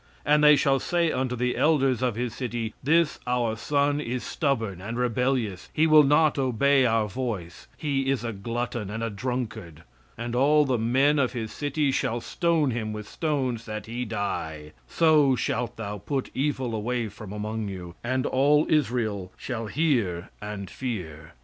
"And they shall say unto the elders of his city, this our son is stubborn and rebellious, he will not obey our voice, he is a glutton, and a drunkard. "And all the men of his city shall stone him with stones, that he die; so shalt thou put evil away from among you; and all Israel shall hear and fear."